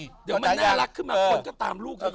เดี๋ยวมันน่ารักขึ้นมาคนก็ตามลูกเยอะ